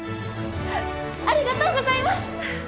ありがとうございます！